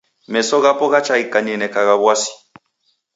Meso ghapo ghacha ghikaninekagha w'asi.